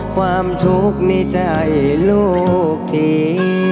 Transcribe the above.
ความทุกข์ในใจลูกที